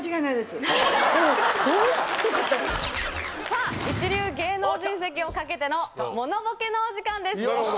さぁ一流芸能人席を懸けてのモノボケのお時間です。